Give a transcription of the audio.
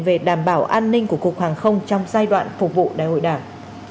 về đảm bảo an ninh của cục hàng không trong giai đoạn phục vụ đại hội đảng